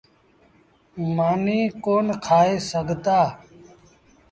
مآݩيٚ ڪون کآئي سگھتآ۔